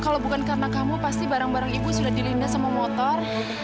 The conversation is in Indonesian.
kalau bukan karena kamu pasti barang barang ibu sudah dilindas sama motor